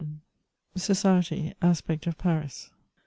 SOCIETY— ASPECT OF PARIS.